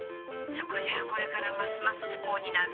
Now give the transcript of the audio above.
そこじゃあこれからますます不幸になるわ」